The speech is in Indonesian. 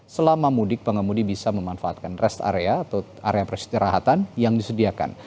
selama mudik pengemudi bisa memanfaatkan rest area atau area peristirahatan yang disediakan